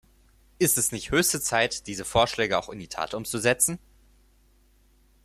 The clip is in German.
Ist es nicht höchste Zeit, diese Vorschläge auch in die Tat umzusetzen?